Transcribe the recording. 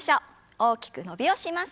大きく伸びをします。